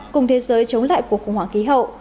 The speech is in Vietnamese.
cùng thế giới chống lại cuộc khủng hoảng khí hậu